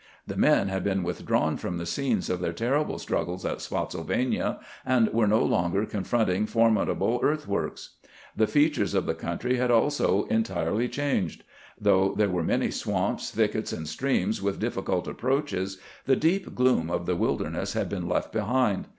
The men had been withdrawn from the scenes of their terrific struggles at Spottsylvania, and were no longer confrontingf ormidable earthworks. The features of the country had also entirely changed. Though there were many swamps, thickets, and streams with difficult approaches, the deep gloom of the WUderness had been left behind.